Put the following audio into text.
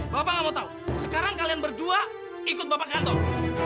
bapak gak mau tahu sekarang kalian berdua ikut bapak kantor